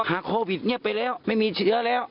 โควิดเงียบไปแล้วไม่มีเชื้อแล้ว